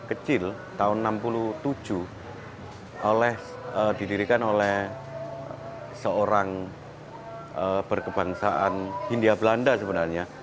rumah bordil kecil tahun seribu sembilan ratus enam puluh tujuh didirikan oleh seorang berkebangsaan hindia belanda sebenarnya